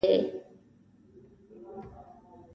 بخت هم مهم دی.